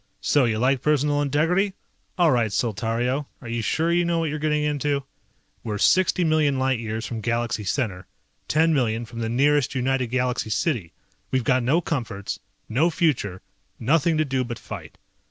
So you like personal integrity? All right, Saltario, are you sure you know what you're getting into? We're 60 million light years from Galaxy Center, 10 million from the nearest United Galaxy city. We've got no comforts, no future, nothing to do but fight.